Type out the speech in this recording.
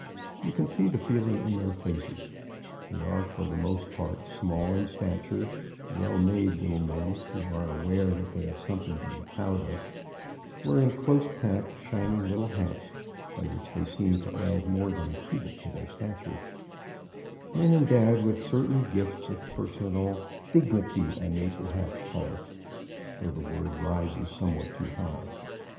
You can see the feeling in their faces. They are for the most part small in stature, well made little men, who are aware that they have something to be proud of, wearing close packed, shining little hats, by which they seem to add more than a cubit to their stature; men endowed with certain gifts of personal dignity I may perhaps call it, though the word rises somewhat too high.